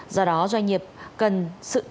do đó doanh nghiệp cần sự chiến